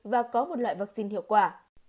và có một loại vaccine hiệu quả